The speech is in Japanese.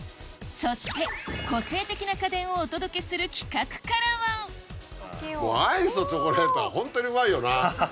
そして個性的な家電をお届けする企画からはアイスとチョコレートはホントにうまいよな。